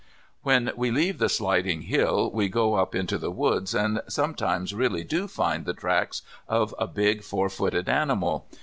When we leave the sliding hill we go up into the woods, and sometimes really do find the tracks of a big four footed animal.